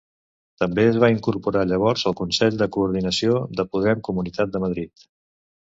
També es va incorporar llavors al Consell de Coordinació de Podem Comunitat de Madrid.